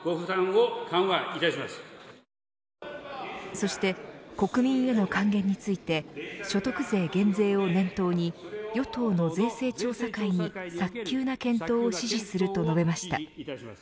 そして、国民への還元について所得税減税を念頭に与党の税制調査会に早急な検討を指示すると述べました。